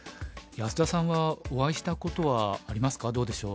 安田さんはお会いしたことはありますかどうでしょう？